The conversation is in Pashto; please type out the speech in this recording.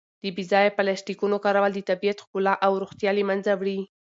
د بې ځایه پلاسټیکونو کارول د طبیعت ښکلا او روغتیا له منځه وړي.